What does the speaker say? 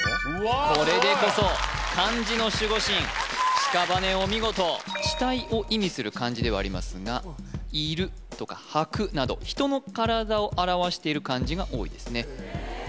これでこそ漢字の守護神しかばねお見事死体を意味する漢字ではありますが「居る」とか「履く」など人の体を表している漢字が多いですね